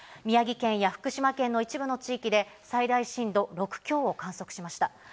宮城県や福島県の一部の地域で最大震度６強を観測しました。